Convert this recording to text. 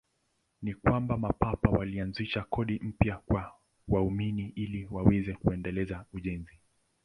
Ni kwamba Mapapa walianzisha kodi mpya kwa waumini ili waweze kuendeleza ujenzi.